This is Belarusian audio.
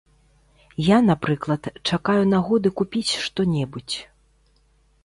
Я, напрыклад, чакаю нагоды купіць што-небудзь.